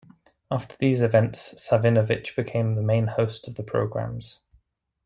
After these events, Savinovich became the main host of the programs.